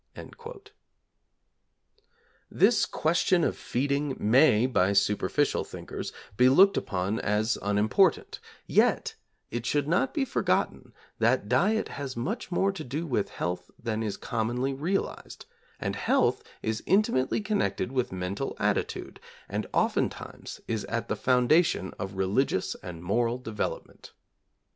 This question of feeding may, by superficial thinkers, be looked upon as unimportant; yet it should not be forgotten that diet has much more to do with health than is commonly realized, and health is intimately connected with mental attitude, and oftentimes is at the foundation of religious and moral development.